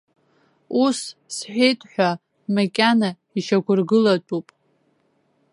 Ус сҳәеит ҳәа, макьана ишьақәыргылатәуп.